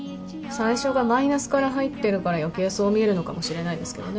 最初がマイナスから入ってるから余計そう見えるのかもしれないですけどね。